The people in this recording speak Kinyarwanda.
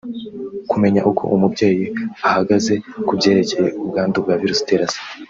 Kumenya uko umubyeyi ahagaze kubyerekeye ubwandu bwa virusi itera Sida